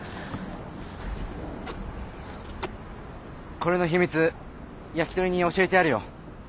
これの秘密ヤキトリに教えてやるよ。